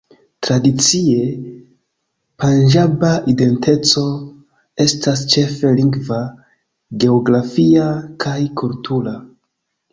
Tradicie, panĝaba identeco estas ĉefe lingva, geografia kaj kultura.